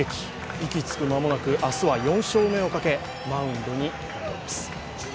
息つく間もなく、明日は４勝目をかけ、マウンドに上がります。